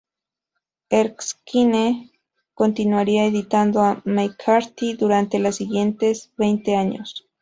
Erskine continuaría editando a McCarthy durante los siguientes veinte años.